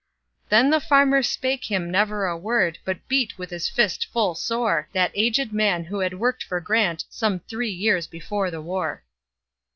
Then the farmer spake him never a word, But beat with his fist full soreThat aged man, who had worked for GrantSome three years before the war.